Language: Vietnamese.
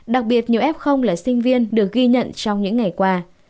đặc biệt nhiều f là sinh viên được ghi nhận trong những ngày qua